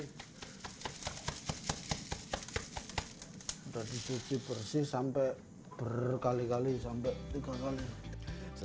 sudah dicuci bersih sampai berkali kali sampai tiga kali